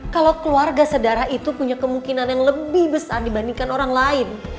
kalau keluarga sedarah itu punya kemungkinan yang lebih besar dibandingkan orang lain